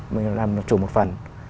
mình làm chủ một phần